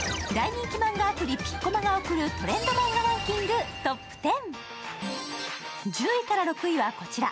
大人気マンガアプリピッコマが送るトレンドマンガランキングトップ１０。